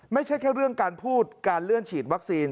ไม่ใช่แค่เรื่องการพูดการเลื่อนฉีดวัคซีน